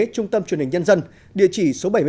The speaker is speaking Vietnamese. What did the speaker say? trung tâm truyền hình nhân dân địa chỉ số bảy mươi bảy